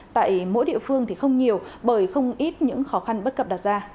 tại mỗi địa phương thì không nhiều bởi không ít những khó khăn bất cập đặt ra